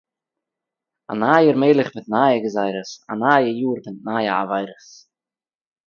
אַ נײַער מלך מיט נײַע גזרות, אַ נײַ יאָר מיט נײַע עבֿרות.